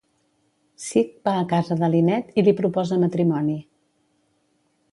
Sig va a casa de Lynette i li proposa matrimoni.